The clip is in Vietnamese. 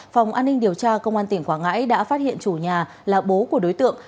phòng an ninh điều tra công an tỉnh quảng ngãi đã phát hiện chủ nhà là bố của đối tượng